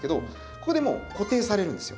ここでもう固定されるんですよ。